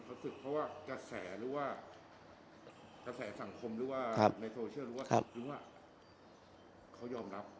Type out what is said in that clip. เขาศึกเพราะว่ากระแสหรือว่ากระแสสังคมหรือว่าครับหรือว่าเขายอมรับ